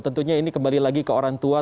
tentunya ini kembali lagi ke orang tua